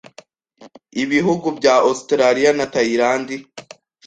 ibihugu bya Australia na Thailand